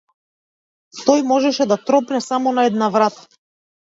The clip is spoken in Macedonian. Тој можеше да тропне само на една врата.